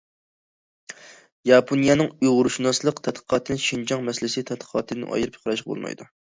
ياپونىيەنىڭ ئۇيغۇرشۇناسلىق تەتقىقاتىنى شىنجاڭ مەسىلىسى تەتقىقاتىدىن ئايرىپ قاراشقا بولمايدۇ.